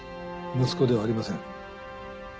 息子ではありません。